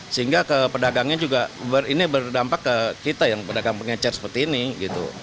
sehingga ke pedagangnya juga ini berdampak ke kita yang pedagang pengecer seperti ini gitu